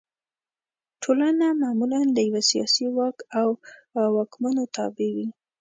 ټولنه معمولا د یوه سیاسي واک او واکمنو تابع وي.